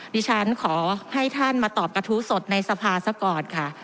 ดิฉันขอให้ท่านมาตอบกระทู้สดในสภาซะก่อนค่ะ